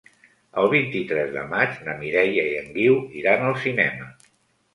El vint-i-tres de maig na Mireia i en Guiu iran al cinema.